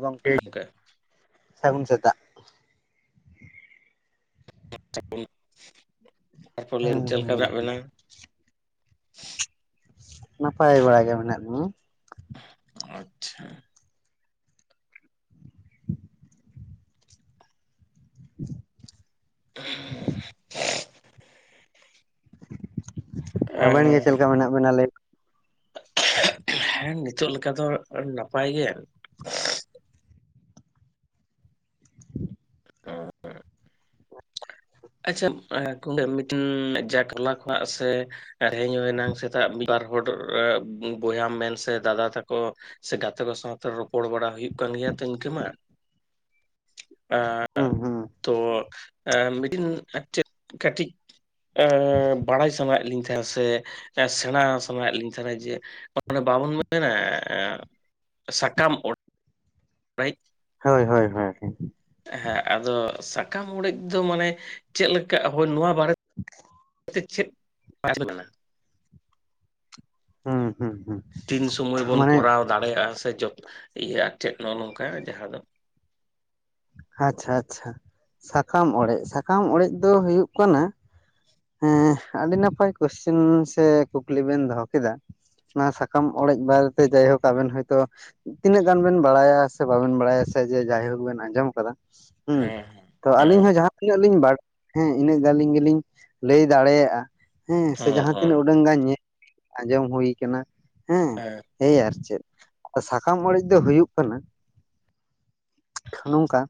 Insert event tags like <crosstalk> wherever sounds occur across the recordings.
ᱜᱚᱝᱠᱮ ᱥᱟᱹᱜᱩᱱ ᱥᱮᱛᱟᱜ᱾ ᱛᱟᱨᱯᱚᱨ ᱞᱟᱹᱭ ᱵᱤᱱ ᱦᱩᱸ ᱪᱮᱫ ᱞᱮᱠᱟ ᱢᱮᱱᱟᱜ ᱦᱩᱸ ᱵᱤᱱᱟ? ᱱᱟᱯᱟᱭ ᱵᱟᱲᱟ ᱜᱮ ᱢᱮᱱᱟᱜ ᱞᱤᱧᱟ᱾ ᱟᱪᱪᱷᱟ᱾ <inaudible> <unintelligible> ᱟᱵᱮᱱ ᱜᱮ ᱪᱮᱱ ᱞᱮᱠᱟ ᱢᱮᱱᱟᱜ ᱵᱮᱱᱟ ᱞᱟᱹᱭ ᱵᱮᱱ? ᱦᱮᱸ ᱱᱤᱛᱚᱜ ᱞᱮᱠᱟ ᱫᱚ ᱱᱟᱯᱟᱭ ᱜᱮ᱾ ᱚ ᱦᱚᱸ᱾ ᱟᱪᱪᱷᱟ ᱢᱤᱫᱴᱤᱱ ᱡᱟ ᱴᱚᱞᱟ ᱠᱷᱣᱟᱜ ᱥᱮ ᱛᱮᱦᱮᱧ ᱦᱚᱸ ᱮᱱᱟᱝ ᱥᱮᱛᱟᱜ᱾ ᱵᱟᱨ ᱦᱚᱲ ᱵᱚᱭᱦᱟᱢ ᱢᱮᱱ ᱥᱮ ᱫᱟᱫᱟ ᱛᱟᱠᱚ ᱥᱮ ᱜᱟᱛᱮ ᱠᱚ ᱥᱟᱶᱛᱮ ᱨᱚᱯᱚᱲ ᱵᱟᱲᱟ ᱦᱩᱭᱩᱜ ᱠᱟᱱ ᱜᱮᱭᱟ ᱛᱚ ᱤᱱᱠᱟᱹ ᱢᱟ᱾ ᱟ ᱦᱩᱸ ᱦᱩᱸ ᱛᱚ ᱢᱤᱱ ᱴᱤᱱ ᱟᱨ ᱪᱮᱫ ᱠᱟᱹᱴᱤᱡ ᱵᱟᱲᱟᱭ ᱥᱟᱱᱟᱭᱮᱫ ᱞᱤᱧ ᱛᱟᱦᱮᱸᱱᱟ ᱥᱮ ᱥᱮᱬᱟ ᱥᱟᱱᱟᱭᱮᱜ ᱞᱤᱧ ᱛᱟᱦᱮᱱᱟ ᱡᱮ ᱵᱟᱵᱚᱱ ᱢᱮᱯᱮᱱᱟ ᱥᱟᱠᱟᱢ ᱚᱲ ᱲᱮᱡ ᱦᱳᱭ ᱦᱳᱭ ᱦᱳᱭ᱾ ᱦᱮᱸ ᱟᱫᱚ ᱥᱟᱠᱟᱢ ᱚᱲᱮᱡ ᱫᱚ ᱢᱟᱱᱮ ᱪᱮᱜ ᱞᱮᱠᱟ ᱦᱳᱭ ᱱᱚᱣᱟ ᱵᱟᱨᱮᱛᱮ <inaudible> ᱟᱪᱪᱷᱟ ᱪᱮᱫ <inaudible> ᱠᱟᱱᱟ ᱦᱩᱸ ᱦᱩᱸ ᱦᱩᱸ, ᱛᱤᱱ ᱥᱚᱢᱚᱭ ᱵᱚᱱ ᱢᱟᱱᱮ ᱠᱚᱨᱟᱣ ᱫᱟᱲᱮᱭᱟᱜᱼᱟ ᱥᱮ <unintelligible> ᱤᱭᱟᱹ ᱟᱨ ᱪᱮᱫ ᱱᱚᱜᱼᱚ ᱱᱚᱝᱠᱟ ᱡᱟᱦᱟᱸ ᱫᱚ ᱟᱪᱪᱷᱟ ᱟᱪᱪᱷᱟ ᱥᱟᱠᱟᱢ ᱚᱲᱮᱜ ᱥᱟᱠᱟᱢ ᱚᱲᱮᱜ ᱫᱚ ᱦᱩᱭᱩᱜ ᱠᱟᱱᱟ ᱦᱮᱸ ᱟᱹᱰᱤ ᱱᱟᱯᱟᱭ ᱠᱚᱭᱥᱮᱱ ᱥᱮ ᱠᱩᱠᱞᱤ ᱵᱮᱱ ᱫᱚᱦᱚ ᱠᱮᱫᱟ, ᱚᱱᱟ ᱥᱟᱠᱟᱢ ᱚᱲᱮᱜ ᱵᱟᱨᱮᱛᱮ ᱡᱟᱭᱦᱳᱠ ᱟᱵᱮᱱ ᱦᱚᱭᱭᱛᱳ ᱛᱤᱱᱟᱹᱜ ᱜᱟᱱ ᱵᱮᱱ ᱵᱟᱲᱟᱭᱟ ᱥᱮ ᱵᱟᱵᱮᱱ ᱵᱟᱲᱟᱭᱟ ᱥᱮ ᱡᱮ ᱡᱟᱭᱦᱳᱠ ᱵᱮᱱ ᱟᱸᱡᱚᱢ ᱠᱟᱫᱟ ᱦᱩᱸ ᱦᱮᱸ ᱛᱚ ᱟᱞᱤᱧ ᱦᱮᱸ ᱦᱚᱸ ᱡᱟᱦᱟᱸᱛᱤᱱᱟᱹᱜ ᱞᱤᱧ ᱵᱟᱲᱟᱭ ᱦᱮᱸ ᱤᱱᱟᱹᱜ ᱜᱟᱱᱞᱤᱧ ᱜᱮᱞᱤᱧ ᱞᱟᱹᱭ ᱫᱟᱲᱮᱭᱟᱜᱼᱟ᱾ ᱦᱮᱸ ᱥᱮ ᱡᱟᱦᱟᱸ ᱛᱤᱱᱟᱹᱜ ᱩᱰᱟᱹᱝ ᱜᱟᱱ ᱧᱮᱞ ᱟᱸᱡᱚᱢ ᱦᱩᱭ ᱠᱟᱱᱟ ᱦᱮᱸ ᱦᱮᱭ ᱟᱨ ᱪᱮᱫ ᱥᱟᱠᱟᱢ ᱚᱲᱮᱜ ᱫᱚ ᱦᱩᱭᱩᱜ ᱠᱟᱱᱟ ᱱᱚᱝᱠᱟ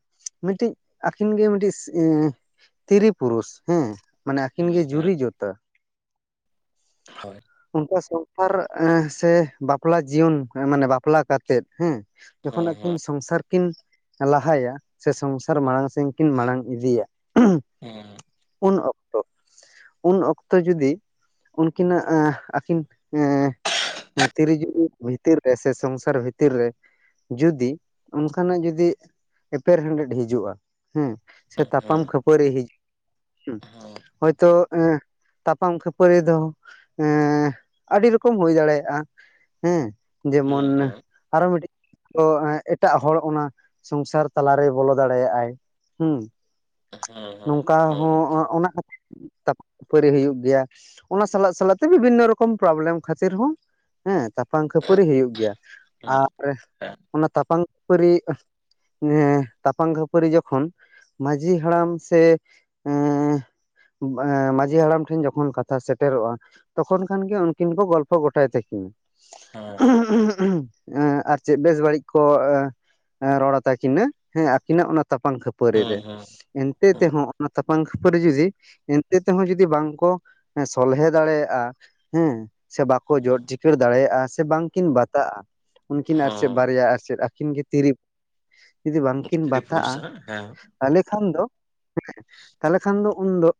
ᱢᱤᱜᱴᱤᱡ ᱟᱹᱠᱤᱱ ᱜᱮ ᱢᱤᱜᱴᱤᱡ ᱛᱤᱨᱤ ᱯᱩᱨᱩᱥ ᱦᱮᱸ ᱢᱟᱱᱮ ᱟᱹᱠᱤᱱ ᱦᱮᱸ ᱜᱮ ᱦᱮᱸ ᱡᱩᱨᱤ ᱡᱳᱛ ᱛᱟ ᱦᱳᱭ, ᱚᱱᱠᱟ ᱥᱚᱝᱥᱟᱨ ᱮᱸ ᱥᱮ ᱵᱟᱯᱞᱟ ᱡᱤᱭᱚᱱ ᱢᱟᱱᱮ ᱵᱟᱯᱞᱟ ᱠᱟ ᱛᱮᱜ ᱦᱮᱸ ᱡᱚᱠᱷᱚᱱ ᱦᱮᱸ ᱟᱹᱠᱤᱱ ᱦᱮᱸ ᱥᱚᱝᱥᱟᱨ ᱠᱤᱱ ᱞᱟᱦᱟᱭᱟ ᱥᱮ ᱥᱚᱝᱥᱟᱨ ᱢᱟᱲᱟᱝ ᱥᱮᱱ ᱠᱤᱱ ᱢᱟᱲᱟᱝ ᱤᱫᱤᱭᱟ ᱦᱮᱸ ᱩᱱ ᱚᱠ ᱛᱚ ᱩᱱ ᱚᱠᱛᱚ ᱡᱩᱫᱤ ᱩᱱᱠᱤᱱᱟᱜ ᱮᱸ ᱟᱹᱠᱤᱱ ᱮᱸ ᱮᱸ ᱛᱤᱨᱤᱡᱩᱨᱤ ᱵᱷᱤᱛᱤᱨ ᱨᱮ ᱥᱮ ᱥᱚᱝᱥᱟᱨ ᱵᱷᱤᱛᱤᱨ ᱨᱮ ᱡᱩᱫᱤ ᱚᱱᱠᱟᱱᱟᱜ ᱡᱩᱫᱤ ᱮᱯᱮᱨ ᱦᱮᱸᱰᱮᱰ ᱦᱤᱡᱩᱜᱼᱟ ᱦᱮᱸ ᱥᱮ ᱦᱮᱸ ᱛᱟᱯᱟᱢ ᱦᱮᱸ ᱠᱷᱟᱹᱯᱟᱹᱨᱤ ᱦᱤᱡᱩᱜ ᱦᱮᱸ ᱦᱚᱳᱭᱛᱚ ᱮᱸ ᱛᱟᱯᱟᱢ ᱠᱷᱟᱹᱯᱟᱹᱨᱤ ᱫᱚ ᱮᱸ ᱟᱹᱰᱤ ᱨᱚᱠᱚᱢ ᱦᱩᱭ ᱫᱟᱲᱮᱭᱟᱜᱼᱟ ᱦᱮᱸ ᱡᱮᱢᱚᱱ, ᱦᱮᱸ ᱦᱮᱸ ᱦᱮᱸ ᱟᱨᱚ ᱢᱤᱜᱴᱤᱜ <inaudible> ᱮᱸ ᱮᱴᱟᱜ ᱦᱚᱲ ᱚᱱᱟ ᱥᱚᱝᱥᱟᱨ ᱛᱟᱞᱟᱨᱮ ᱵᱚᱞᱚ ᱫᱟᱲᱮᱭᱟᱜᱼᱟᱭ᱾ ᱦᱩᱸ ᱦᱮᱸ ᱱᱚᱝᱠᱟ ᱦᱮᱸ ᱦᱚᱸ ᱚᱱᱟ ᱚᱱᱟ ᱞᱷᱟᱹ ᱛᱟᱯᱟᱢ ᱠᱷᱟᱹᱯᱟᱹᱨᱤ ᱦᱩᱭᱩᱜ ᱜᱮᱭᱟ᱾ ᱚᱱᱟ ᱥᱟᱞᱟᱜ ᱥᱟᱞᱟᱜ ᱛᱮ ᱵᱤᱵᱷᱤᱱᱱᱚ ᱨᱚᱠᱚᱢ ᱯᱨᱚᱵᱞᱮᱢ ᱠᱷᱟᱹᱛᱤᱨ ᱦᱚᱸ ᱦᱮᱸ ᱛᱟᱨ ᱛᱟᱯᱟᱝ ᱠᱷᱟᱹᱯᱟᱹᱨᱤ ᱦᱩᱭᱩᱜ ᱜᱮᱭᱟ ᱦᱮᱸ ᱟᱨ ᱚᱱᱟ ᱛᱟᱯᱟᱝ ᱠᱷᱟᱹᱯᱟᱹᱨᱤ ᱡᱮ ᱛᱟᱯᱟᱝ ᱠᱷᱟᱹᱯᱟᱹᱨᱤ ᱡᱚᱠᱷᱚᱱ ᱢᱟᱺᱡᱷᱤ ᱦᱟᱲᱟᱢ ᱥᱮ ᱮᱸ ᱮᱸ ᱢᱟᱺᱡᱷᱤ ᱦᱟᱲᱟᱢ ᱴᱷᱮᱱ ᱡᱚᱠᱷᱚᱱ ᱠᱟᱛᱷᱟ ᱥᱮᱴᱮᱨᱚᱜᱼᱟ ᱛᱚᱠᱷᱚᱱ ᱠᱷᱟᱱᱜᱮ ᱩᱱᱠᱤᱱ ᱠᱚ ᱜᱚᱞᱯᱷᱚ ᱜᱚᱴᱟᱭ ᱛᱟᱹᱠᱤᱱᱟ᱾ ᱮᱸ ᱟᱨ ᱪᱮᱫ ᱵᱮᱥ ᱵᱟᱹᱲᱤᱜ ᱠᱚ ᱮᱸ ᱮᱸ ᱨᱚᱲᱟ ᱛᱟ ᱠᱤᱱᱟ ᱦᱮᱸ ᱟᱹᱠᱤᱱᱟᱜ ᱚᱱᱟ ᱛᱟᱯᱟᱝ ᱠᱷᱟᱹ ᱯᱟᱹᱨᱤ ᱨᱮ ᱦᱮᱸ ᱦᱮᱸ ᱮᱱᱛᱮ ᱛᱮᱦᱚᱸ ᱚᱱᱟ ᱛᱟᱯᱟᱝ ᱠᱦᱟᱹᱯ ᱠᱚᱨᱮ ᱡᱩᱫᱤ ᱮᱱᱛᱮ ᱛᱮᱦᱚᱸ ᱡᱩᱫᱤ ᱵᱟᱝ ᱠᱚ ᱮᱸ ᱥᱚᱞᱦᱮ ᱫᱟᱲᱮᱭᱟᱜᱼᱟ, ᱦᱮᱸ ᱥᱮ ᱵᱟᱠᱚ ᱡᱚᱫ ᱪᱤᱠᱟᱹᱲ ᱫᱟᱲᱮᱭᱟᱜᱼᱟ ᱥᱮ ᱵᱟᱝᱠᱤᱱ ᱵᱟᱛᱟᱜᱼᱟ᱾ ᱩᱱᱠᱤᱱ ᱟᱨ ᱪᱮᱜ ᱦᱮᱸ ᱵᱟᱨᱭᱟ ᱟᱨ ᱪᱮᱜ ᱟᱹᱠᱤᱱ ᱜᱮ ᱛᱤᱨᱤᱯ ᱡᱩᱫᱤ ᱵᱟᱝᱠᱤᱱ ᱥᱛᱨᱤ ᱯᱩᱨᱩᱥ ᱵᱟᱛᱟᱜᱼᱟ ᱦᱮᱸ ᱦᱮᱸ ᱛᱟᱦᱚᱞᱮ ᱠᱷᱟᱱ ᱫᱚ ᱦᱮᱸ ᱩᱱᱫᱚ ᱩᱱᱫᱚ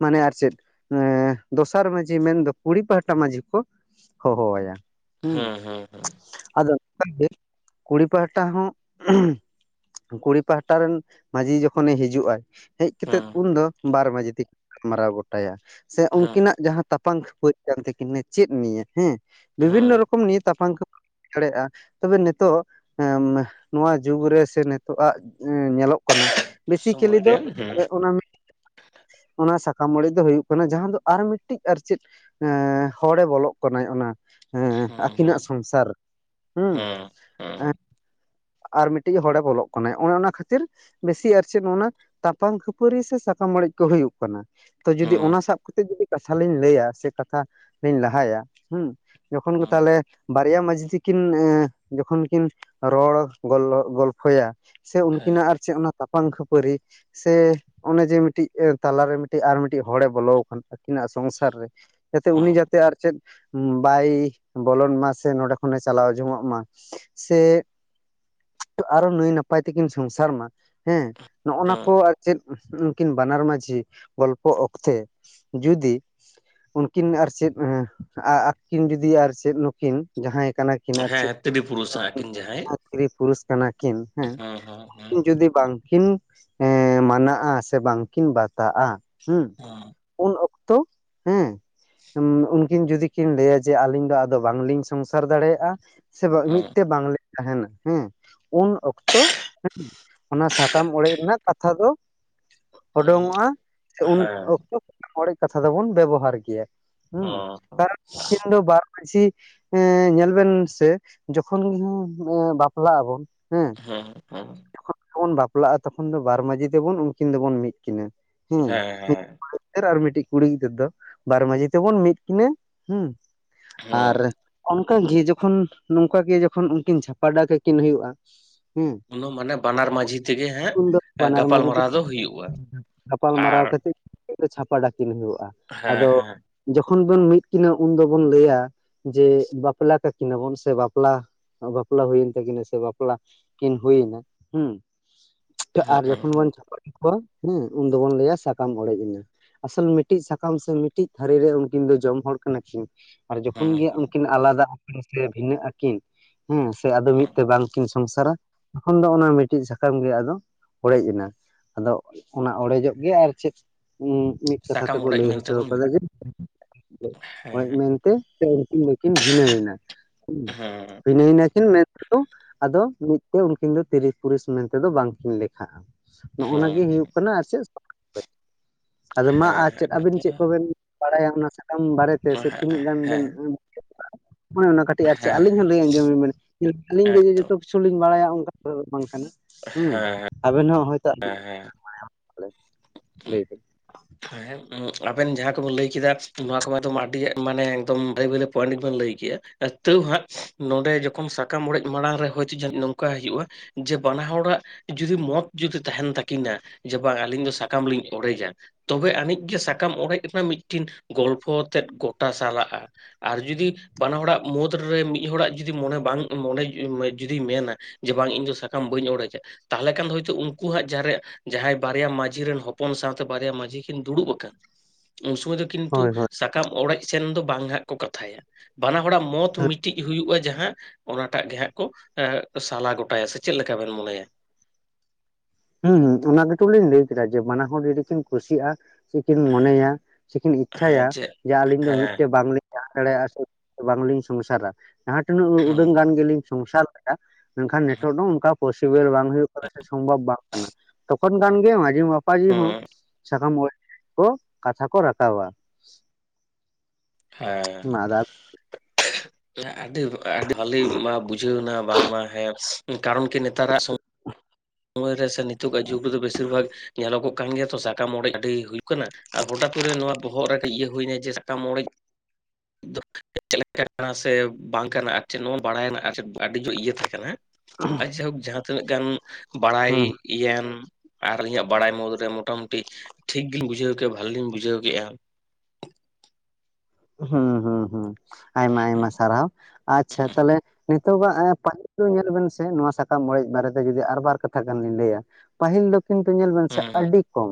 ᱢᱟᱱᱮ ᱟᱨ ᱪᱮᱫ ᱮᱸ ᱫᱚᱥᱟᱨ ᱢᱟᱹᱡᱷᱤ ᱢᱮᱱᱫᱚ ᱠᱩᱲᱤ ᱯᱟᱦᱴᱟ ᱢᱟᱺᱡᱷᱤ ᱠᱚ ᱦᱚᱦᱚ ᱣᱟᱭᱟ. ᱦᱩᱸ ᱦᱮᱸ ᱦᱮᱸ ᱟᱫᱚ ᱚᱱᱠᱟᱱ ᱜᱮ ᱠᱩᱲᱤ ᱯᱟᱦᱟᱴᱟ ᱦᱚᱸ ᱠᱩᱲᱤ ᱯᱟᱦᱴᱟ ᱨᱮᱱ ᱢᱟᱺᱡᱷᱤ ᱡᱚᱠᱷᱚᱱᱮ ᱦᱤᱡᱩᱜ ᱟᱭ ᱦᱮᱜ ᱦᱮᱸᱜ ᱠᱟᱛᱮᱫ ᱦᱮᱸ ᱩᱱᱫᱚ ᱵᱟᱨ ᱢᱟᱺᱡᱷᱤ ᱛᱮᱠᱤᱱ ᱜᱟᱞᱢᱟᱨᱟᱣ ᱜᱚᱴᱟᱭᱟ ᱥᱮ ᱦᱮᱸ ᱩᱱᱠᱤᱱᱟᱜ ᱡᱟᱦᱟᱸ, ᱛᱟᱯᱟᱝ ᱠᱷᱟᱹᱯᱟᱹᱨᱤ ᱠᱟᱱᱛᱟᱠᱤᱱᱟ ᱪᱮᱜ ᱱᱹᱤᱭᱟᱹ ᱦᱮᱸ ᱵᱤᱵᱷᱤᱱᱱᱚ ᱦᱮᱸ ᱨᱚᱠᱚᱢ ᱱᱤᱭᱟᱹᱛᱟᱯᱟᱱ ᱠᱷᱟᱹᱯ ᱫᱟᱲᱮᱭᱟᱜᱼᱟ, ᱛᱚᱵᱮ ᱱᱤᱛᱚᱜ ᱱᱚᱣᱟ ᱡᱩᱜᱽ ᱨᱮ ᱥᱮ ᱱᱤᱛᱚᱜ-ᱟᱜ ᱧᱮᱞᱚᱜ ᱠᱟᱱᱟ ᱵᱮᱥᱤᱠᱮᱞᱤ ᱥᱚᱢᱚᱭ ᱨᱮ ᱫᱚ ᱦᱮᱸ ᱦᱮᱸ ᱚᱱᱟ ᱚᱱᱟ ᱥᱟᱠᱟᱢ ᱚᱲᱮᱡ ᱫᱚ ᱦᱩᱭᱩᱜ ᱠᱟᱱᱟ ᱡᱟᱦᱟᱸ ᱫᱚ ᱟᱨ ᱢᱤᱫᱴᱤᱡ ᱟᱨ ᱪᱮᱫ ᱮ ᱦᱚᱲᱮ ᱵᱚᱞᱚᱜ ᱠᱟᱱᱟᱭ ᱚᱱᱟ ᱮᱸ ᱦᱮᱸ ᱟᱹᱠᱤᱱᱟᱜ ᱥᱚᱝᱥᱟᱨ ᱦᱩᱸ᱾ ᱦᱮᱸ ᱦᱮᱸ ᱟᱨ ᱢᱤᱫᱴᱤᱡ ᱦᱚᱲᱮ ᱵᱚᱞᱚᱜ ᱠᱟᱱᱟᱭ ᱚᱱᱮ ᱚᱱᱟ ᱠᱷᱟᱹᱛᱤᱨ ᱵᱮᱥᱤ ᱟᱨ ᱪᱮᱫ ᱚᱱᱟ ᱛᱟᱯᱟᱝ ᱠᱷᱟᱹᱯᱟᱹᱨᱤ ᱥᱮ ᱥᱟᱠᱟᱢ ᱚᱲᱮᱡ ᱠᱚ ᱦᱩᱭᱩᱜ ᱠᱟᱱᱟ, ᱛᱚ ᱡᱩᱫᱤ ᱦᱮᱸ ᱚᱱᱟ ᱥᱟᱵ ᱠᱟᱛᱮ ᱡᱩᱫᱤ ᱠᱟᱛᱷᱟ ᱞᱤᱧ ᱞᱟᱹᱭᱟ ᱥᱮ ᱠᱟᱛᱷᱟ ᱞᱤᱧ ᱞᱟᱦᱟᱭᱟ, ᱦᱮᱸ ᱡᱚᱠᱷᱚᱱ ᱜᱮ ᱦᱮᱸ ᱛᱟᱦᱚᱞᱮ ᱵᱟᱨᱭᱟ ᱢᱟᱺᱡᱷᱤ ᱠᱤᱱ ᱠᱤᱱ ᱡᱚᱠᱷᱚᱱ ᱠᱤᱱ ᱨᱚᱲ ᱜᱚᱞᱯᱷᱚᱭᱟ ᱥᱮ ᱦᱮᱸ ᱩᱱᱠᱤᱱᱟᱜ ᱟᱨ ᱪᱮᱜ ᱚᱱᱟ ᱛᱟᱯᱟᱝ ᱠᱷᱟᱹᱯᱟᱹᱨᱤ ᱥᱮ ᱚᱱᱮ ᱡᱮ ᱢᱤᱫᱴᱤᱡ ᱛᱟᱞᱟᱨᱮ ᱢᱤᱫᱴᱤᱡ ᱟᱨ ᱢᱤᱫᱴᱤᱡ ᱦᱚᱲᱮ ᱵᱚᱞᱚ ᱠᱟᱱ ᱟᱹᱠᱤᱱᱟᱜ ᱥᱚᱝᱥᱟᱨ ᱨᱮ ᱡᱟᱛᱮ ᱩᱱᱤ ᱦᱮᱸ ᱡᱟᱛᱮ ᱟᱨ ᱪᱮᱫ ᱵᱟᱭ ᱵᱚᱞᱚᱱ ᱢᱟ, ᱥᱮ ᱱᱚᱰᱮ ᱠᱷᱚᱱᱮ ᱪᱟᱞᱟᱣ ᱡᱚᱝᱚᱜ ᱢᱟ, ᱥᱮ ᱟᱨᱚ ᱱᱟᱹᱭ ᱱᱟᱯᱟᱭ ᱛᱮᱠᱤᱱ ᱥᱚᱝᱥᱟᱨ ᱢᱟ ᱦᱮᱸ ᱱᱚᱜ ᱦᱮᱸ ᱠᱚ ᱟᱨ ᱪᱮᱫ ᱩᱱᱠᱤᱱ ᱵᱟᱱᱟᱨ ᱢᱟᱺᱡᱷᱤ ᱜᱚᱞᱯᱚ ᱚᱠᱛᱮ ᱡᱩᱫᱤ ᱩᱱᱠᱤᱱ ᱟᱨ ᱪᱮᱫ <unintelligible> ᱡᱩᱫᱤ ᱟᱨ ᱪᱮᱫ ᱱᱩᱠᱤᱱ ᱡᱟᱦᱟᱸᱭ ᱠᱟᱱᱟ ᱠᱤᱱ ᱦᱮᱸ ᱛᱤᱨᱤ ᱯᱩᱨᱩᱥ ᱟᱹᱠᱤᱱ ᱡᱟᱦᱟᱸᱭ᱾ ᱛᱤᱨᱤ ᱯᱩᱨᱩᱥ ᱠᱟᱱᱟ ᱠᱤᱱ ᱦᱮᱸ, ᱩᱱᱠᱤᱱ ᱡᱩᱫᱤ ᱵᱟᱝᱠᱤᱱ ᱮᱸ ᱢᱟᱱᱟᱜᱼᱟ ᱥᱮ ᱵᱟᱝᱠᱤᱱ ᱵᱟᱛᱟᱜᱼᱟ ᱦᱩᱸ ᱦᱮᱸ ᱩᱱ ᱚᱠᱛᱚ ᱦᱮᱸ ᱦᱩᱸ ᱩᱱᱠᱤᱱ ᱡᱩᱫᱤ ᱠᱤᱱ ᱞᱟᱹᱭᱟ ᱡᱮ ᱟᱹᱞᱤᱧ ᱫᱚ ᱟᱫᱚ ᱵᱟᱝᱞᱤᱧ ᱥᱚᱝᱥᱟᱨ ᱫᱟᱲᱮᱭᱟᱜᱼᱟ, ᱥᱮ ᱵᱟ ᱢᱤᱫ ᱦᱮᱸ ᱛᱮ ᱵᱟᱝᱞᱤᱧ ᱛᱟᱦᱮᱱᱟ ᱦᱮᱸ᱾ ᱩᱱ ᱚᱠᱛᱚ ᱦᱮᱸ ᱚᱱᱟ ᱥᱟᱠᱟᱢ ᱚᱲᱮᱡ ᱨᱮᱱᱟᱜ ᱠᱟᱛᱷᱟ ᱫᱚ ᱦᱮᱸ ᱩᱰᱳᱝᱚᱜᱼᱟ ᱥᱮ ᱩᱱ ᱦᱮᱸ ᱦᱮᱸ ᱚᱠᱛᱚ ᱚᱲᱮᱡ ᱠᱟᱛᱷᱟ ᱫᱚᱵᱚᱱ ᱵᱮᱵᱚᱦᱟᱨ ᱜᱤᱭᱟ᱾ ᱦᱩᱸ ᱠᱟᱨᱚᱱ ᱩᱱᱠᱤᱱ ᱫᱚ ᱵᱟᱨ ᱢᱟᱺᱡᱷᱤ ᱮᱸ ᱧᱮᱞ ᱵᱮᱱ ᱥᱮ ᱡᱚᱠᱷᱚᱱ ᱜᱮ ᱵᱟᱯᱞᱟᱜ ᱟᱵᱚᱱ ᱦᱮᱸ <unintelligible> ᱡᱚᱠᱷᱚᱱ ᱜᱮᱵᱚᱱ ᱵᱟᱯᱞᱟᱜᱼᱟ ᱛᱚᱠᱷᱚᱱ ᱫᱚ ᱵᱟᱨ ᱢᱟᱺᱡᱷᱤ ᱛᱮᱵᱚᱱ ᱩᱱᱠᱤᱱ ᱫᱚᱵᱚᱱ ᱢᱤᱜ ᱠᱤᱱᱟᱹ ᱦᱮᱸ᱾ ᱜᱤᱫᱽᱟᱹᱨ ᱟᱨ ᱢᱤᱫᱴᱤᱡ ᱠᱩᱲᱤ ᱜᱤᱫᱽᱟᱹᱨ ᱫᱚ ᱵᱟᱨ ᱢᱟᱺᱡᱷᱤ ᱛᱮᱵᱚᱱ ᱢᱤᱫ ᱠᱤᱱᱟᱹ ᱦᱩᱸ, ᱟᱨ ᱦᱮᱸ ᱚᱱᱠᱟᱜᱤ ᱡᱚᱠᱷᱚᱱ ᱱᱚᱝᱠᱟ ᱜᱮ ᱡᱚᱠᱷᱚᱱ ᱩᱱᱠᱤᱱ ᱪᱷᱟᱯᱟᱰᱟ ᱠᱟᱠᱤᱱ ᱦᱩᱭᱩᱜᱼᱟ ᱦᱩᱸ, ᱩᱱᱫᱚ ᱢᱟᱱᱮ ᱵᱟᱱᱟᱨ ᱢᱟᱺᱡᱷᱤ ᱛᱮᱜᱮ ᱦᱟᱸᱜ ᱵᱟᱱᱟᱨ ᱢᱟᱺᱡᱷᱤ ᱛᱮ ᱜᱟᱯᱟᱞᱢᱟᱨᱟᱣ ᱫᱚ ᱦᱩᱭᱩᱜᱼᱟ᱾ ᱟᱨ ᱠᱤᱱ ᱫᱚ ᱪᱷᱟᱯᱟ ᱰᱟ ᱠᱤᱱ ᱦᱩᱭᱩᱜᱼᱟ᱾ ᱦᱮᱸ ᱟᱫᱚ ᱦᱮᱸ ᱡᱚᱠᱷᱚᱱ ᱵᱚᱱ ᱢᱤᱫ ᱠᱤᱱᱟᱹ ᱩᱱ ᱫᱚᱵᱚᱱ ᱞᱟᱹᱭᱟ ᱡᱮ ᱵᱟᱯᱞᱟ ᱠᱟᱠᱤᱱᱟᱵᱚᱱ ᱥᱮ ᱵᱟᱯᱞᱟ ᱵᱟᱯᱞᱟ ᱦᱩᱭᱮᱱ ᱛᱟᱹᱠᱤᱱᱟ ᱥᱮ ᱵᱟᱯᱞᱟ ᱠᱤᱱ ᱦᱩᱭᱮᱱᱟ ᱦᱩᱸ ᱦᱮᱸ ᱟᱨ ᱦᱮᱸ ᱡᱚᱠᱷᱚᱱ ᱵᱚᱱ ᱪᱷᱟᱯᱟᱰᱟ ᱠᱚᱣᱟ ᱦᱮᱸ ᱩᱱ ᱫᱚᱵᱚᱱ ᱞᱟᱹᱭᱟ ᱥᱟᱠᱟᱢ ᱚᱲᱮᱡ ᱮᱱᱟ᱾ ᱟᱥᱚᱞ ᱢᱤᱫᱴᱤᱡ ᱥᱟᱠᱟᱢ ᱥᱮ ᱢᱤᱫᱴᱤᱡ ᱛᱟᱹᱨᱤ ᱨᱮ ᱩᱱᱠᱤᱱ ᱫᱚ ᱡᱚᱢ ᱦᱚᱲ ᱠᱟᱱᱟ ᱠᱤᱱ᱾ ᱟᱨ ᱡᱚᱠᱷᱚᱱ ᱦᱮᱸ ᱜᱮ ᱦᱮᱸ ᱩᱱᱠᱤᱱ ᱟᱞᱟᱫᱟ ᱟᱠᱤᱱ ᱥᱮ ᱵᱷᱤᱱᱟᱹ ᱟᱠᱤᱱ, ᱦᱮᱸ ᱥᱮ ᱟᱫᱚ ᱢᱤᱫ ᱦᱮᱸ ᱛᱮ ᱵᱟᱝ ᱠᱤᱱ ᱥᱚᱝᱥᱟᱨᱟ ᱛᱚᱠᱷᱚᱱ ᱫᱚ ᱚᱱᱟ ᱢᱤᱫᱴᱤᱡ ᱥᱟᱠᱟᱢ ᱜᱮ ᱟᱫᱚ ᱚᱲᱮᱡ ᱮᱱᱟ᱾ ᱟᱫᱚ ᱚᱱᱟ ᱚᱲᱮᱡᱚᱜ ᱜᱮ ᱟᱨ ᱪᱮᱫ ᱩᱸ ᱢᱤᱫ ᱠᱟᱛᱷᱟ ᱥᱟᱠᱟᱢ ᱛᱮᱠᱚ ᱚᱲᱮᱡ ᱞᱟᱹᱭ ᱦᱚᱪᱚ ᱢᱮᱱᱛᱮᱵᱚᱱ ᱠᱟᱫᱟ ᱢᱮᱱ ᱡᱮ ᱚᱲᱮᱡ ᱦᱮᱸ ᱢᱮᱱᱛᱮ ᱥᱮ ᱩᱱᱠᱤᱱ ᱫᱚᱠᱤᱱ ᱵᱷᱤᱱᱟᱹᱭ ᱮᱱᱟ ᱦᱩᱸ᱾ ᱦᱮᱸ ᱵᱷᱤᱱᱟᱹᱭ ᱮᱱᱟ ᱠᱤᱱ ᱢᱮᱱ ᱛᱮᱫᱚ ᱟᱫᱚ ᱢᱤᱫᱛᱮ ᱩᱱᱠᱤᱱ ᱫᱚ ᱛᱤᱨᱤ ᱯᱩᱨᱩᱥ ᱢᱮᱱᱛᱮᱫᱚ ᱵᱟᱝᱠᱤᱱ ᱞᱮᱠᱷᱟᱜᱼᱟ᱾ ᱱᱚᱜᱼᱱᱟᱜᱮ ᱦᱮᱸ ᱦᱮᱸ ᱦᱩᱭᱩᱜ ᱠᱟᱱᱟ ᱟᱨ ᱪᱮᱫ ᱥᱟᱠᱟᱢ ᱚᱲᱮᱡ, ᱟᱫᱚ ᱢᱟ ᱟᱨ ᱦᱮᱸ ᱪᱮᱫ ᱟᱵᱮᱱ ᱪᱮᱜ ᱠᱚᱵᱮᱱ ᱵᱟᱲᱟᱭᱟ ᱚᱱᱟ ᱥᱟᱠᱟᱢ ᱵᱟᱨᱮᱛᱮ ᱦᱮᱸ ᱥᱮ ᱛᱤᱱᱟᱹᱜ ᱜᱟᱱ ᱦᱮᱸ ᱵᱮᱱ ᱦᱮᱸ ᱟᱹᱱᱟᱹᱭ ᱠᱟᱹᱣ ᱠᱟᱜᱼᱟ ᱚᱱᱮ ᱚᱱᱟ ᱠᱟᱹᱴᱤᱡ ᱠᱟᱹᱴᱤᱡ ᱟᱨ ᱪᱮᱜ ᱦᱮᱸ ᱟᱹᱞᱤᱧ ᱦᱚᱸ ᱞᱟᱹᱭ ᱟᱸᱡᱚᱢᱟᱹᱧ ᱵᱤᱱ ᱟᱹᱞᱤᱧ ᱜᱮ ᱡᱮ ᱮᱠᱫᱚᱢ ᱡᱚᱛᱚ ᱠᱤᱪᱷᱩ ᱞᱤᱧ ᱵᱟᱲᱟᱭᱟ ᱚᱱᱠᱟ ᱫᱚ ᱵᱟᱝ ᱠᱟᱱᱟ᱾ ᱦᱮᱸ ᱟᱵᱮᱱ ᱦᱚᱸ ᱦᱚᱭ ᱦᱮᱸ ᱦᱮᱸ ᱵᱚᱞᱮ ᱞᱟᱹᱭ ᱫᱟᱹᱧ ᱦᱮᱸ ᱦᱮᱸ ᱟᱸᱵᱮᱱ ᱡᱟᱦᱟᱸ ᱠᱚᱵᱮᱱ ᱞᱟᱹᱭ ᱠᱮᱫᱟ ᱱᱚᱣᱟ ᱠᱚᱢᱟᱛᱚ ᱟᱹᱰᱤ ᱢᱟᱱᱮ ᱮᱠᱫᱚᱢ ᱵᱷᱟᱹᱞᱮ ᱵᱷᱟᱹᱞᱮ ᱯᱚᱭᱮᱱᱴ ᱜᱮᱸᱵᱮᱱ ᱞᱟᱹᱭ ᱠᱮᱜᱼᱟ᱾ ᱛᱟᱹᱣ ᱦᱟᱸᱜ ᱱᱚᱰᱮ ᱡᱚᱠᱷᱚᱱ ᱥᱟᱠᱟᱢ ᱚᱲᱮᱡ ᱢᱟᱲᱟᱝ ᱨᱮ ᱦᱚᱭᱡᱚ ᱡᱟᱹᱱᱤᱡ ᱱᱚᱝᱠᱟᱭ ᱦᱩᱭᱩᱜ-ᱟ ᱡᱮ ᱵᱟᱱᱟ ᱦᱚᱲᱟᱜ ᱡᱩᱫᱤ ᱢᱚᱛ ᱡᱩᱫᱤ ᱛᱟᱦᱮᱱ ᱛᱟᱹᱠᱤᱱᱟ ᱡᱮ ᱵᱟᱝ ᱟᱹᱞᱤᱧ ᱫᱚ ᱥᱟᱠᱟᱢ ᱞᱤᱧ ᱚᱲᱮᱡᱟ ᱛᱚᱵᱮ ᱟᱹᱱᱤᱡ ᱜᱮ ᱥᱟᱠᱟᱢ ᱚᱲᱮᱡ ᱨᱮᱱᱟᱜ ᱢᱤᱫᱴᱤᱱ ᱜᱚᱞᱯᱷᱚ ᱛᱮᱫ ᱜᱚᱴᱟ ᱥᱟᱞᱟᱜᱼᱟ ᱟᱨ ᱡᱩᱫᱤ ᱵᱟᱱᱟ ᱦᱚᱲᱟᱜ ᱢᱩᱫᱽᱨᱮ ᱢᱤᱜ ᱦᱚᱲᱟᱜ ᱡᱩᱫᱤ ᱢᱚᱱᱮ ᱵᱟᱝ ᱢᱚᱱᱮ ᱡᱩᱫᱤᱭ ᱢᱮᱱᱟ ᱡᱮ ᱵᱟᱝ ᱤᱧ ᱫᱚ ᱥᱟᱠᱟᱢ ᱵᱟᱹᱧ ᱚᱲᱮᱡᱟ ᱛᱟᱦᱟᱞᱮ ᱠᱷᱟᱱ ᱫᱚ ᱦᱳᱭᱛᱚ ᱩᱱᱠᱩᱣᱟᱜ ᱡᱟᱦᱟᱸ ᱨᱮ ᱡᱟᱦᱟᱸᱭ ᱵᱟᱨᱭᱟ ᱢᱟᱺᱡᱷᱤ ᱨᱮᱱ ᱦᱚᱯᱚᱱ ᱥᱟᱶᱛᱮ ᱵᱟᱨᱭᱟ ᱢᱟ ᱡᱷᱤ ᱠᱤᱱ ᱫᱩᱲᱩᱵ ᱠᱟᱱ ᱩᱱ ᱥᱚᱢᱚᱭ ᱫᱚ ᱦᱳᱭ ᱠᱤᱱᱛᱩ ᱦᱳᱭ ᱥᱟ ᱥᱟᱠᱟᱢ ᱚᱲᱮᱡ ᱥᱮᱱ ᱫᱚ ᱵᱟᱝ ᱦᱟᱸᱜ ᱠᱚ ᱠᱟᱛᱷᱟᱭᱟ, ᱵᱟᱱᱟ ᱦᱚᱲᱟᱜ ᱢᱚᱛ ᱢᱤᱫᱴᱤᱡ ᱦᱩᱭᱩᱜᱼᱟ ᱡᱟᱦᱟᱸ ᱚᱱᱟᱴᱟᱜ ᱜᱮ ᱦᱟᱸᱜ ᱠᱚ ᱮᱸᱻ ᱥᱟᱞᱟ ᱜᱚᱴᱟᱭᱟ ᱥᱮ ᱪᱮᱫ ᱞᱮᱠᱟ ᱵᱮᱱ ᱢᱚᱱᱮᱭᱟ? ᱦᱩᱸ ᱚᱱᱟ ᱜᱮᱛᱚ ᱞᱤᱧ ᱞᱟᱹᱭ ᱠᱮᱫᱟ ᱡᱮ ᱵᱟᱱᱟ ᱦᱚᱲ ᱡᱩᱫᱤ ᱠᱤᱱ ᱠᱷᱩᱥᱤ-ᱟ᱾ ᱥᱮᱠᱤᱱ ᱢᱚᱱᱮᱭᱟ ᱥᱮᱠᱤᱱ ᱤᱪᱪᱷᱟᱭᱟ ᱡᱮ ᱟᱹᱞᱤᱧ ᱫᱚ ᱦᱮᱸ ᱢᱤᱫᱴᱮᱡ ᱵᱟᱝᱞᱤ ᱡᱟᱦᱟᱸ ᱫᱟᱲᱮᱭᱟᱜᱼᱟ ᱥᱮ ᱵᱟᱝᱞᱤᱧ ᱥᱚᱝᱥᱟᱨᱟ ᱡᱟᱦᱟᱸ ᱛᱤᱱᱟᱹᱜ ᱩᱰᱟᱹᱝ ᱦᱮᱸ ᱜᱟᱱ ᱜᱮᱞᱤᱧ ᱥᱚᱝᱥᱟᱨ ᱠᱮᱫᱟ ᱢᱮᱱᱠᱷᱟᱱ ᱱᱤᱛᱚᱜ ᱫᱚ ᱚᱱᱠᱟ ᱯᱚᱥᱤᱵᱮᱞ ᱵᱟᱝ ᱦᱩᱭᱩᱜ ᱠᱟᱱᱟ ᱥᱮ ᱥᱚᱢᱵᱷᱚᱵ ᱵᱟᱝ᱾ ᱠᱟᱱᱟ ᱛᱚᱠᱷᱚᱱ ᱠᱷᱟᱱᱜᱮ ᱢᱟᱹᱡᱷᱤ ᱢᱟᱯᱟᱡᱷᱤ ᱦᱚᱸ ᱥᱟᱠᱟᱢ ᱚᱲᱮᱡᱽ ᱠᱚ ᱠᱟᱛᱷᱟ ᱠᱚ ᱨᱟᱠᱟᱵᱟ᱾ ᱦᱮᱸ ᱢᱟ ᱟᱫᱚ ᱦᱟᱯᱮᱭᱟ ᱟᱹᱰᱤ ᱟᱹᱰᱤ ᱵᱷᱟᱹᱞᱤ ᱢᱟ ᱵᱩᱡᱷᱟᱹᱣᱱᱟ ᱵᱟᱝᱢᱟ ᱦᱮᱸ ᱠᱟᱨᱚᱱ ᱠᱤ ᱱᱮᱛᱟᱨᱟᱜ ᱥᱚ <inaudible> ᱥᱮ ᱱᱤᱛᱳᱜᱟᱜ ᱡᱩᱜᱽ ᱨᱮᱫᱚ ᱵᱮᱥᱤᱨ ᱵᱷᱟᱜᱽ ᱧᱮᱞᱚᱜᱚᱜ ᱠᱟᱱ ᱜᱮᱭᱟ ᱛᱚ ᱥᱟᱠᱟᱢ ᱚᱲᱮᱡ ᱟᱹᱰᱤ ᱦᱩᱭᱩᱜ ᱠᱟᱱᱟ᱾ ᱟᱨ ᱦᱚᱴᱟᱴ ᱠᱚᱨᱮ ᱱᱚᱣᱟ ᱵᱚᱦᱚᱜ ᱨᱮ ᱤᱭᱟᱹ ᱦᱩᱭᱱᱟ ᱡᱮ ᱥᱟᱠᱟᱢ ᱚᱲᱮᱡ ᱪᱮᱞᱠᱟᱱᱟ ᱥᱮ ᱵᱟᱝ ᱠᱟᱱᱟ ᱟᱨ ᱪᱮᱫ ᱱᱚᱣᱟ ᱵᱟᱲᱟᱭᱱᱟ ᱟᱹᱰᱤ ᱡᱳᱨ ᱤᱭᱟᱹ ᱛᱟᱦᱮᱸ ᱠᱟᱱᱟ᱾ ᱟᱨ ᱡᱟᱭᱦᱳᱠ ᱡᱟᱦᱟᱸ ᱛᱤᱱᱟᱹᱜ ᱜᱟᱱ ᱵᱟᱲᱟᱭ ᱦᱩᱸ ᱤᱭᱟᱱ ᱟᱨ ᱟᱹᱞᱤᱧᱟᱹᱜ ᱵᱟᱲᱟᱭ ᱢᱩᱫᱽᱨᱮ ᱢᱳᱴᱟᱢᱩᱴᱤ ᱴᱷᱤᱠ ᱜᱤᱞᱤᱧ ᱵᱩᱡᱷᱟᱹᱣ ᱠᱮᱫᱼᱟ ᱵᱷᱟᱹᱞᱤᱧ ᱵᱩᱡᱷᱟᱹᱣ ᱠᱮᱜᱼᱟ᱾ ᱦᱩᱸ ᱦᱩᱸ ᱦᱩᱸ ᱟᱭᱢᱟ ᱟᱭᱢᱟ ᱦᱩᱸ ᱥᱟᱨᱦᱟᱣ ᱟᱪᱷᱟ ᱛᱟᱦᱞᱮ ᱱᱤᱛᱚᱜᱟᱜ ᱯᱟᱹᱤᱞ ᱧᱮᱞ ᱵᱮᱱ ᱥᱮ ᱱᱚᱣᱟ ᱥᱟᱠᱟᱢ ᱚᱲᱮᱡ ᱵᱟᱨᱮᱛᱮ ᱡᱩᱫᱤ ᱟᱨ ᱵᱟᱨ ᱠᱟᱛᱷᱟ ᱜᱟᱱ ᱵᱤᱱ ᱞᱟᱹᱭᱟ᱾ ᱯᱟᱹᱦᱤᱞ ᱫᱚ ᱠᱤᱱᱛᱩ ᱧᱮᱞ ᱵᱮᱱ ᱥᱮ ᱦᱩᱸ ᱟᱹᱰᱤ ᱠᱚᱢ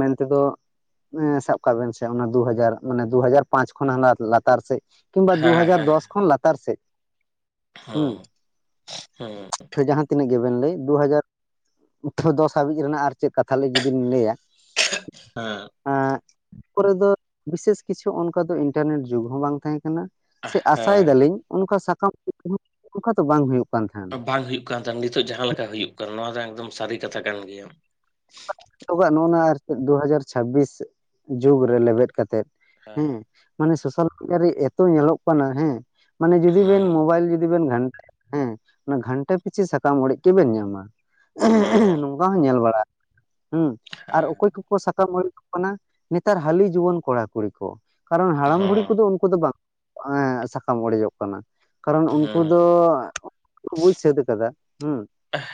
ᱢᱮᱱ ᱛᱮᱫᱚ ᱥᱟᱵ ᱠᱟᱜ ᱵᱮᱱ ᱥᱮ ᱚᱱᱟ ᱫᱩ ᱦᱟᱡᱟᱨ ᱢᱟᱱᱮ ᱫᱩ ᱦᱟᱡᱟᱨ ᱯᱟᱸᱪ ᱠᱷᱚᱱ ᱦᱟᱱᱟ ᱞᱟᱛᱟᱨ ᱥᱮᱫ ᱠᱤᱢᱵᱟ ᱫᱩ ᱦᱮᱸ ᱦᱟᱡᱟᱨ ᱦᱮᱸ ᱫᱚᱥ ᱠᱷᱚᱱ ᱞᱟᱛᱟᱨ ᱥᱮᱫ᱾ ᱦᱩᱸ ᱦᱩᱸ ᱯᱮ ᱡᱟᱦᱟᱸᱜ᱾ ᱛᱤᱱᱟᱹᱜ ᱜᱮᱵᱤᱱ ᱞᱟᱹᱭ ᱫᱩ ᱦᱟᱡᱟᱨ ᱫᱚᱥ ᱦᱟᱹᱵᱤᱡ ᱜᱮ ᱢᱮᱱᱟᱜ-ᱟ ᱟᱨ ᱪᱮᱫ ᱠᱟᱛᱷᱟ ᱞᱮ ᱡᱩᱫᱤᱢ ᱞᱟᱹᱭᱟᱢ ᱦᱮᱸ ᱮᱸ ᱠᱚᱨᱮ ᱫᱚ ᱵᱤᱥᱮᱥ ᱠᱤᱪᱷᱩ ᱚᱱᱠᱟ ᱫᱚ ᱤᱱᱴᱟᱨᱱᱮᱴ ᱡᱩᱜᱽ ᱦᱚᱸ ᱵᱟᱝ ᱛᱟᱦᱮᱸ ᱠᱟᱱᱟ, ᱥᱮ ᱟᱥᱟᱭ ᱦᱮᱸ ᱫᱟᱞᱤᱧ ᱚᱱᱠᱟ ᱥᱟᱠᱟᱢ <inaudible> ᱚᱱᱠᱟ ᱫᱚ ᱵᱟᱝ ᱦᱩᱭᱩᱜ ᱠᱟᱱ ᱛᱟᱦᱮᱸᱱ ᱵᱟᱝ ᱦᱩᱭᱩᱜ ᱠᱟᱱ ᱛᱟᱦᱮᱸᱱ ᱱᱤᱛᱚᱜ ᱡᱟᱦᱟᱸ ᱞᱮᱠᱟ ᱦᱩᱭᱩᱜ ᱠᱟᱱᱟ ᱱᱚᱣᱟ ᱫᱚ ᱮᱠᱫᱚᱢ ᱥᱟᱹᱨᱤ ᱠᱟᱛᱷᱟ ᱠᱟᱱ ᱜᱮᱭᱟ᱾ ᱱᱤᱛᱚᱜᱟ ᱱᱚᱜᱼᱚ ᱱᱚᱣᱟ ᱟᱨ ᱪᱮᱫ ᱫᱩ ᱦᱟᱡᱟᱨ ᱪᱷᱟᱵᱤᱥ ᱡᱩᱜᱽ ᱨᱮ ᱞᱮᱵᱮᱫ ᱠᱟᱛᱮᱫ ᱦᱮᱸ ᱢᱟᱱᱮ ᱥᱳᱥᱟᱞ ᱢᱤᱰᱤᱭ ᱨᱮ ᱮᱛᱚ ᱧᱮᱞᱚᱜ ᱠᱟᱱᱟ ᱦᱮᱸ, ᱢᱟᱱᱮ ᱡᱩᱫᱤ ᱵᱮᱱ ᱦᱩᱸ ᱢᱳᱵᱟᱭᱤᱞ ᱡᱩᱫᱤ ᱵᱮᱱ ᱜᱷᱟᱱ ᱦᱮᱸ ᱜᱷᱟᱱᱴᱟ ᱯᱤᱪᱷᱤ ᱥᱟᱠᱟᱢ ᱚᱲᱮᱡ ᱜᱮᱵᱮᱱ ᱧᱟᱢᱟ ᱦᱩᱸ ᱱᱚᱝᱠᱟ ᱦᱚᱸ ᱧᱮᱞ ᱵᱟᱲᱟ ᱦᱩᱸ ᱟᱨ ᱦᱮᱸ ᱚᱠᱚᱭ ᱠᱚᱠᱚ ᱥᱟᱠᱟᱢ ᱚᱲᱮᱡᱚ ᱠᱟᱱᱟ ᱱᱮᱛᱟᱨ ᱦᱟᱹᱞᱤ ᱡᱩᱣᱟᱹᱱ ᱠᱚᱲᱟ ᱠᱩᱲᱤ ᱠᱚ᱾ ᱠᱟᱨᱚᱱ ᱦᱟᱲᱟᱢ ᱵᱩᱲᱦᱤ ᱦᱩᱸ ᱠᱚᱫᱚ ᱩᱱᱠᱩ ᱫᱚ ᱵᱟᱝ ᱮᱸ ᱥᱟᱠᱟᱢ ᱚᱲᱮᱡᱚᱜ ᱠᱟᱱᱟ᱾ ᱠᱟᱨᱚᱱ ᱩᱱᱠᱩ ᱦᱩᱸ ᱫᱚ ᱵᱩᱡ ᱥᱟᱹᱛ ᱠᱟᱫᱟ ᱦᱩᱸ,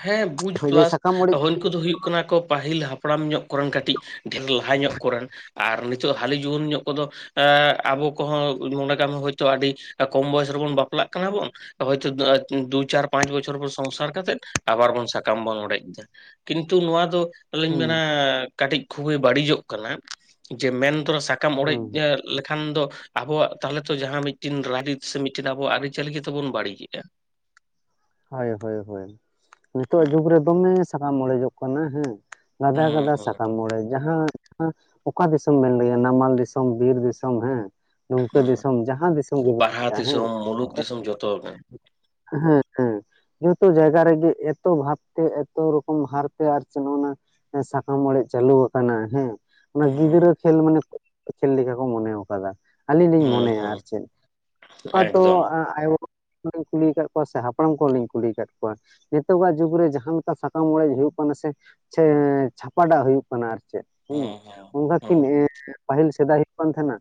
ᱦᱮᱸ ᱵᱩᱡᱽ ᱯᱞᱟᱥ ᱩᱱᱠᱩᱫᱚ ᱦᱩᱭᱩᱜ ᱦᱩᱭᱩᱜ ᱠᱟᱱᱟ ᱠᱚ ᱯᱟᱹᱦᱤᱞ ᱦᱟᱯᱲᱟᱢ ᱧᱚᱜ ᱠᱚᱨᱮᱱ ᱠᱟᱹᱴᱤᱡ ᱰᱷᱮᱨ ᱞᱟᱦᱟ ᱧᱚᱜ ᱠᱚᱨᱮᱱ᱾ ᱟᱨ ᱱᱤᱛᱚᱜ ᱦᱟᱹᱞᱤ ᱡᱩᱣᱟᱹᱱ ᱧᱚᱜ ᱠᱚᱫᱚ ᱮ ᱟᱵᱚ ᱠᱚᱦᱚᱸ ᱱᱚᱰᱮ ᱠᱟᱜ ᱢᱮ ᱦᱳᱭᱛᱳ ᱟᱹᱰᱤ ᱠᱚᱢ ᱵᱚᱭᱮᱥ ᱨᱮᱵᱚᱱ ᱵᱟᱯᱞᱟᱜ ᱠᱟᱱᱟ ᱵᱚᱱ᱾ ᱦᱚᱭᱛᱳ ᱫᱩ ᱪᱟᱨ ᱯᱟᱸᱪ ᱵᱪᱷᱚᱨ ᱯᱚᱨ ᱥᱚᱝᱥᱟᱨ ᱠᱟᱛᱮ᱾ ᱟᱵᱟᱨ ᱵᱚᱱ ᱥᱟᱠᱟᱢ ᱵᱚᱱ ᱚᱲᱮᱡ ᱮᱫᱟ, ᱠᱤᱱᱛᱩ ᱱᱚᱣᱟ ᱫᱚ ᱟᱹᱞᱤᱧ ᱦᱮᱸ ᱢᱮᱱᱟ ᱠᱟᱹᱴᱤᱡ ᱠᱷᱩᱵᱮ ᱵᱟᱹᱲᱤᱡᱚᱜ ᱠᱟᱱᱟ, ᱡᱮ ᱢᱮᱱ ᱛᱚᱨᱟ ᱥᱟᱠᱟᱢ ᱚᱲᱮᱡ ᱦᱮᱸ ᱞᱮᱠᱷᱟᱱ ᱫᱚ ᱟᱵᱚᱣᱟᱜ ᱛᱟᱦᱚᱞᱮ ᱛᱚ ᱡᱟᱦᱟᱸ ᱢᱤᱫᱴᱤᱱ ᱨᱟᱭᱤᱛ ᱥᱮ ᱢᱤᱫᱴᱮᱱ ᱟᱵᱚᱣᱟᱜ ᱟᱹᱨᱤᱪᱟᱹᱞᱤ ᱜᱮᱛᱚᱵᱚᱱ ᱵᱟᱹᱲᱤᱡᱮᱜᱼᱟ᱾ ᱦᱳᱭ ᱦᱳᱭ ᱦᱳᱭ ᱱᱤᱛᱳᱜ ᱡᱩᱜᱽ ᱨᱮ ᱫᱚᱢᱮ ᱥᱟᱠᱟᱢ ᱚᱲᱮᱡᱚᱜ ᱠᱟᱱᱟ ᱦᱮᱸ᱾ ᱜᱟᱫᱟ ᱦᱩᱸ ᱜᱟᱫᱟ ᱦᱩᱸ ᱥᱟᱠᱟᱢ ᱚᱲᱮᱡ ᱡᱟᱦᱟᱸ ᱦᱮᱸ ᱚᱠᱟ ᱫᱤᱥᱚᱢ ᱵᱮᱱ ᱞᱟᱹᱭᱟ ᱱᱟᱢᱟᱞ ᱫᱤᱥᱚᱢ ᱵᱤᱨ ᱫᱤᱥᱚᱢ ᱦᱮᱸ᱾ ᱫᱩᱢᱠᱟᱹ ᱦᱩᱸ ᱫᱤᱥᱚᱢ ᱡᱟᱦᱟᱸ ᱫᱤᱥᱚᱢ ᱜᱮᱵᱤᱱ ᱵᱟᱨᱦᱟ ᱞᱟᱹᱭᱟ ᱫᱤᱥᱚᱢ ᱦᱮᱸ᱾ ᱢᱩᱞᱩᱠ ᱫᱤᱥᱚᱢ ᱡᱚᱛᱚ ᱦᱚᱲ ᱜᱮ᱾ ᱦᱮᱸ ᱦᱮᱸ᱾ ᱡᱚᱛᱚ ᱡᱟᱭᱜᱟ ᱨᱮ ᱜᱮ ᱮᱛᱚ ᱵᱷᱟᱵᱽ ᱛᱮ ᱮᱛᱚ ᱨᱚᱠᱚᱢ ᱦᱟᱨᱛᱮ ᱟᱨ ᱪᱮ ᱱᱚᱣᱟᱱᱟᱼᱼ ᱥᱟᱠᱟᱢ ᱚᱲᱮᱡ ᱪᱟᱹᱞᱩ ᱟᱠᱟᱱᱟ ᱦᱮᱸ, ᱚᱱᱟ ᱦᱩᱸ ᱜᱤᱫᱽᱨᱟᱹ ᱠᱷᱮᱞ ᱢᱟᱱᱮ ᱠᱷᱮᱞ ᱞᱮᱠᱟ ᱠᱚ ᱢᱚᱱᱮᱣ ᱠᱟᱫᱟ ᱟᱞᱤᱧ ᱞᱤᱧ ᱦᱩᱸ ᱢᱚᱱᱮᱭᱟ ᱟᱨ ᱦᱩᱸ ᱪᱮᱫ ᱚᱠᱟ ᱛᱚ ᱮᱠᱫᱚᱢ ᱟᱭᱳᱼᱼ ᱠᱩᱞᱤᱧ ᱟᱠᱟᱫ ᱠᱚᱣᱟ ᱥᱮ ᱦᱟᱯᱲᱟᱢ ᱠᱚᱦᱚᱸ ᱞᱤᱧ ᱠᱩᱞᱤ ᱠᱟᱣ ᱠᱚᱣᱟ᱾ ᱱᱤᱛᱚᱜᱟᱜ ᱡᱩᱜᱽ ᱨᱮ ᱡᱟᱦᱟᱸ ᱞᱮᱠᱟ ᱥᱟᱠᱟᱢ ᱚᱲᱮᱡ ᱦᱩᱭᱩᱜ ᱠᱟᱱᱟ ᱥᱮ ᱪᱮ ᱪᱷᱟᱯᱟᱴᱟᱜ ᱦᱩᱭᱩᱜ ᱠᱟᱱᱟ ᱟᱨ ᱪᱮᱫ᱾ ᱦᱩᱸ ᱚᱱᱠᱟ ᱠᱤᱱ ᱮᱸ ᱯᱟᱦᱤᱞ ᱥᱮᱫᱟᱭ ᱦᱩᱭᱩᱜ ᱠᱟᱱ ᱛᱟᱦᱮᱱᱟ?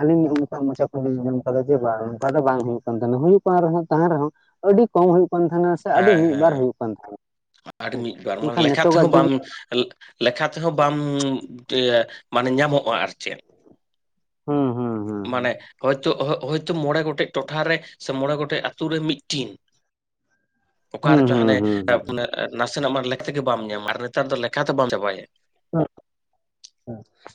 ᱟᱞᱤᱧ ᱚᱱᱠᱟ ᱢᱚᱪᱟ ᱠᱚᱞᱤᱧ ᱟᱡᱚᱢ ᱟᱠᱟᱫᱟ ᱡᱮ ᱵᱟᱝ ᱚᱱᱠᱟ ᱫᱚ ᱵᱟᱝ ᱦᱩᱭᱩᱜ ᱠᱟᱱ ᱛᱟᱦᱮᱱᱟ ᱦᱩᱭᱩᱜ ᱠᱟᱱ ᱨᱮᱦᱚᱸ ᱛᱟᱦᱮᱸᱱ ᱨᱮᱦᱚᱸ ᱟᱹᱰᱤ ᱠᱚᱢ ᱦᱩᱭᱩᱜ ᱠᱟᱱ ᱛᱟᱦᱮᱱᱟ ᱟᱹᱰᱤ ᱢᱤᱫ ᱵᱟᱨ ᱦᱩᱭᱩᱜ ᱠᱟᱱ ᱛᱟᱦᱮᱱᱟ, ᱟᱰᱤ ᱦᱮᱸ ᱢᱤᱫ ᱵᱟᱨ ᱢᱟᱱᱮ ᱢᱮᱱᱠᱷᱟᱱ ᱞᱮᱠᱷᱟ ᱱᱤᱛᱚᱜᱟᱜ ᱛᱮᱦᱚᱸ ᱡᱩᱜᱽ ᱵᱟᱢᱼᱼ ᱞᱮᱠᱷᱟ ᱛᱮᱦᱚᱸ ᱵᱟᱢ ᱤᱭᱮ ᱢᱟᱱᱮ ᱧᱟᱢᱚᱜᱼᱟ ᱟᱨ ᱪᱮᱫ᱾ ᱦᱩᱸᱼᱦᱩᱸ᱾ ᱢᱟᱱᱮ ᱦᱚᱭᱛᱩ, ᱦᱚᱭᱛᱚ ᱢᱚᱬᱮ ᱜᱚᱴᱮᱡ ᱴᱚᱴᱷᱟ ᱨᱮ ᱥᱮ ᱢᱚᱲᱮ ᱜᱚᱴᱮᱡ ᱟᱛᱩ ᱨᱮ ᱢᱤᱫᱴᱤᱱ ᱚᱠᱟ ᱦᱩᱸ ᱨᱮᱪᱚ ᱦᱩᱸ ᱦᱟᱱᱮ ᱦᱩᱸ ᱟᱹᱯ ᱦᱩᱸ ᱢᱟᱱᱮᱼᱼ ᱱᱟᱥᱮᱱᱟᱜ ᱵᱟᱨ ᱞᱮᱠ ᱛᱮ ᱜᱮ ᱵᱟᱢ ᱧᱟᱢᱟ ᱟᱨ ᱱᱮᱛᱟᱨ ᱫᱚ ᱞᱮᱠᱷᱟ ᱛᱮ ᱵᱟᱢ ᱪᱟᱵᱟᱭᱟ᱾ ᱦᱩᱸᱜ <inaudible>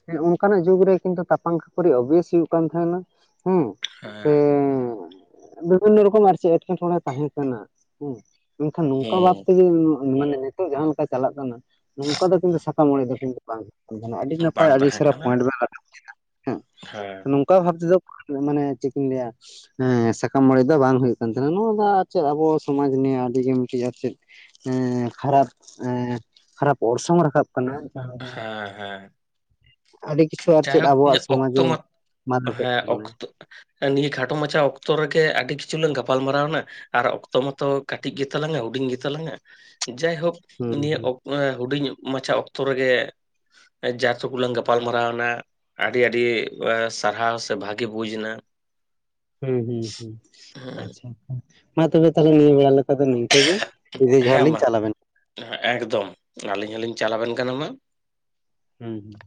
ᱮᱸ ᱚᱱᱠᱟᱱᱟᱜ ᱡᱩᱜᱽ ᱨᱮ ᱠᱤᱱᱛᱩ ᱛᱟᱯᱟᱢ ᱠᱟᱯᱷᱟᱚᱨᱤ ᱳᱵᱤᱭᱮᱥ ᱦᱩᱭᱩᱜ ᱠᱟᱱ ᱛᱟᱦᱮᱸᱱᱟ ᱦᱮᱸ᱾ ᱦᱮᱸ᱾ ᱵᱤᱵᱷᱤᱱᱚ ᱨᱚᱠᱚᱢ ᱟᱨ ᱮᱸᱴᱠᱮᱴᱚᱬᱮ ᱛᱟᱦᱮ ᱠᱟᱱᱟ ᱦᱮᱸ ᱢᱮᱱᱠᱷᱟᱱ ᱱᱚᱝᱠᱟ ᱵᱷᱟᱵᱽ ᱦᱮᱸ ᱛᱮᱜᱤᱼᱼ ᱢᱟᱱᱮ ᱧᱤᱛᱚᱜ ᱡᱟᱦᱟᱸ ᱞᱮᱠᱟ ᱪᱟᱞᱟᱜ ᱠᱟᱱᱟ, ᱱᱚᱝᱠᱟ ᱫᱚ ᱠᱤᱱᱛᱩ ᱥᱟᱠᱟᱢ ᱚᱲᱮᱡ ᱫᱚ ᱠᱤᱱᱛᱩᱼᱼ ᱵᱟᱝ ᱦᱩᱭ ᱠᱟᱱᱟ ᱟᱹᱰᱤ ᱱᱟᱯᱟᱭ ᱵᱟᱝ ᱟᱹᱰᱤ ᱛᱟᱦᱮᱸ ᱪᱮᱦᱨᱟ ᱠᱟᱱᱟ ᱯᱚᱭᱮᱱᱴ ᱵᱮᱱ ᱨᱟᱠᱟᱯ ᱠᱮᱫᱟ᱾ ᱦᱮᱸ᱾ ᱚᱠᱟ ᱵᱷᱟᱵ ᱛᱮ ᱫᱚ ᱢᱟᱱᱮ ᱪᱮᱫ ᱤᱧ ᱞᱟᱹᱭᱟ᱾ ᱦᱮᱸ ᱥᱟᱠᱟᱢ ᱚᱲᱮᱡ ᱫᱚ ᱵᱟᱝ ᱦᱩᱭᱩᱜ ᱠᱟᱱ ᱛᱟᱦᱮᱱᱟ ᱱᱚᱣᱟ ᱫᱚ ᱟᱨ ᱪᱮᱫ ᱟᱵᱩ ᱥᱚᱢᱟᱡ ᱱᱤᱭᱟᱹ ᱟᱹᱰᱤᱜᱮ ᱢᱤᱫᱴᱤᱡ ᱟᱨ ᱪᱮᱫᱼᱼ ᱮᱸ ᱠᱷᱟᱨᱟᱯ ᱮᱸ ᱠᱷᱟᱨᱟᱯ ᱚᱨᱥᱚᱝ ᱨᱟᱠᱟᱵ ᱠᱟᱱᱟ ᱡᱟᱦᱟᱸ ᱫᱚᱼᱼ ᱦᱮᱸᱻ ᱦᱮᱸ ᱟᱨ ᱪᱮᱫ ᱡᱟᱭᱦᱳᱠ ᱟᱵᱚᱣᱟᱜ ᱤᱧᱟᱜ ᱚᱠᱛᱚ ᱥᱚᱢᱟᱡᱮ ᱢᱚᱛ ᱢᱟᱞᱚᱴᱮᱫ ᱦᱮᱸ ᱛᱟᱵᱚᱱᱟᱭ ᱚᱠᱛᱚ <inaudible> ᱱᱤᱭᱟᱹ ᱠᱷᱟᱴᱚ ᱢᱟᱪᱷᱟ ᱚᱠᱛᱚ ᱨᱮ ᱜᱮ ᱟᱹᱰᱤ ᱠᱤᱪᱷᱩ ᱞᱟᱝ ᱜᱟᱯᱟᱞ ᱢᱟᱨᱟᱣᱱᱟ᱾ ᱟᱨ ᱚᱠᱛᱚ ᱢᱟᱛᱚ ᱠᱟᱴᱤᱡ ᱜᱮᱛᱟᱞᱟᱝᱼᱟ ᱦᱩᱰᱤᱧ ᱜᱮᱛᱟᱞᱟᱝᱼᱟ ᱡᱟᱭᱦᱳᱠᱼᱼ ᱦᱩᱸ ᱱᱤᱭᱟᱹ ᱦᱩᱸ ᱚᱠᱛ ᱦᱩᱰᱤᱧ ᱢᱟᱪᱷᱟ ᱚᱠᱛᱚ ᱨᱮᱜᱮᱼᱼ ᱡᱟ ᱥᱚᱠᱩᱨ ᱠᱚᱞᱟᱝ ᱜᱟᱯᱟᱞᱢᱟᱨᱟᱣᱱᱟ᱾ ᱟᱰᱤ ᱟᱰᱤ ᱥᱟᱨᱦᱟᱣ ᱥᱮ ᱵᱷᱟᱹᱜᱤ ᱵᱩᱡ ᱮᱱᱟ᱾ ᱦᱩᱸᱻᱦᱩᱸᱻᱦᱩᱸ ᱦᱮᱸ ᱟᱪᱪᱷᱟ ᱦᱟ ᱢᱟ ᱛᱚᱵᱮ ᱛᱟᱦᱞᱮ ᱱᱤᱭᱟᱹ ᱵᱟᱨ ᱞᱮᱠᱟ ᱫᱚ ᱱᱤᱝᱠᱟᱹ ᱜᱮ᱾ ᱵᱤᱫᱟᱹᱭ ᱡᱚᱦᱟᱨ ᱦᱮᱸ ᱞᱤᱧ ᱢᱟ ᱪᱟᱞ ᱟᱵᱮᱱ ᱮᱠᱫᱚᱢ ᱟᱞᱤᱧ ᱦᱚᱞᱤᱧ ᱪᱟᱞᱟᱣᱵᱮᱱ ᱠᱟᱱᱟ ᱢᱟ᱾ ᱦᱩᱸ ᱦᱩᱸ᱾